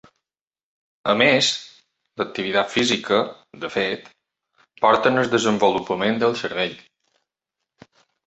A més, l'activitat física, de fet, porta al desenvolupament del cervell.